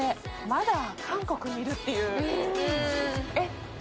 まだ韓国にいるっていう。